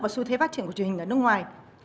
và xu thế phát triển của truyền hình ở nước ngoài